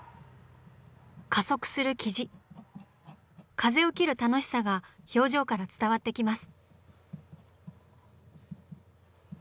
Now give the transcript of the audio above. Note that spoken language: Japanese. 風を切る楽しさが表情から伝わってきます。